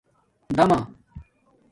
دَمہ